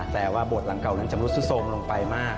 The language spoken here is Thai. แต่ว่าบทหลังเก่านั้นจะรุดซุดโทรมลงไปมาก